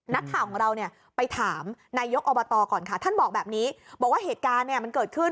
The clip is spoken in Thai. นักข่าวของเราเนี่ยไปถามนายกอบตก่อนค่ะท่านบอกแบบนี้บอกว่าเหตุการณ์เนี่ยมันเกิดขึ้น